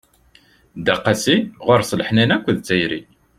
Dda qasi, ɣur-s leḥnana akked tayri.